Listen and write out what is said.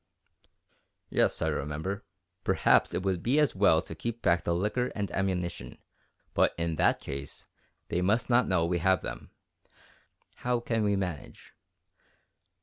"Yes, I remember. Perhaps it would be as well to keep back the liquor and ammunition, but in that case, they must not know we have them. How can we manage?"